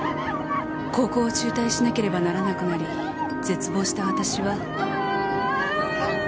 高校を中退しなければならなくなり絶望した私は。